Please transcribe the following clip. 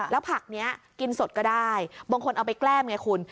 แล้วผักนี้กินสดก็ได้บางคนเอาไปแกล้มไงคุณ